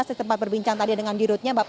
saya sempat berbincang tadi dengan dirutnya